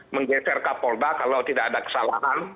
menggeser kapolda kalau tidak ada kesalahan